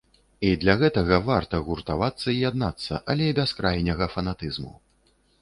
І для гэтага варта гуртавацца і яднацца, але без крайняга фанатызму.